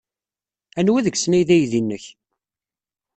Anwa deg-sen ay d aydi-nnek?